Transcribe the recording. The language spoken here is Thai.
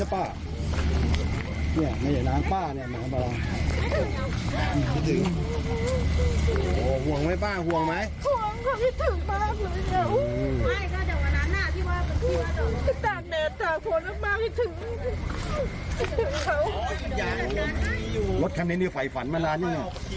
ป้ายต้องไหนเป็นเหตุ